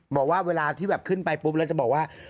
บอกว่าเวลาที่แบบขึ้นไปปุ๊บแล้วจะบอกว่า